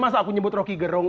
masa aku nyebut rocky gerung